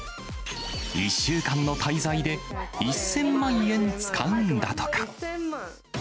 １週間の滞在で１０００万円使うんだとか。